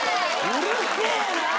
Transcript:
うるせぇな！